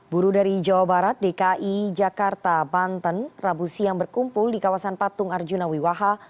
buru dari jawa barat dki jakarta banten rabu siang berkumpul di kawasan patung arjuna wiwaha